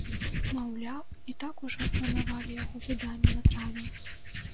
Маўляў, і так ужо планавалі яго выданне на травень.